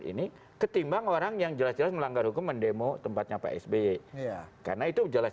ini ketimbang orang yang jelas jelas melanggar hukuman demo tempatnya psb ya karena itu jelas